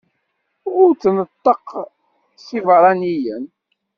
Ur tneṭṭeq s ibeṛṛaniyen.